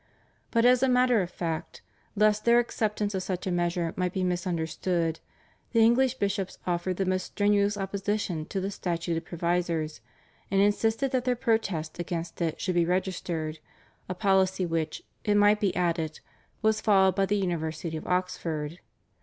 But as a matter of fact, lest their acceptance of such a measure might be misunderstood, the English bishops offered the most strenuous opposition to the Statute of Provisors and insisted that their protests against it should be registered, a policy which, it might be added, was followed by the University of Oxford.